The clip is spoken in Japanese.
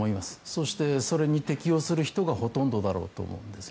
そして、それに適応する人がほとんどだろうと思います。